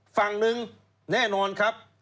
ฝั่งหนึ่งแน่นอนครับ